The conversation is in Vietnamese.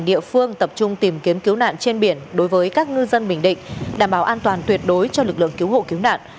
địa phương tập trung tìm kiếm cứu nạn trên biển đối với các ngư dân bình định đảm bảo an toàn tuyệt đối cho lực lượng cứu hộ cứu nạn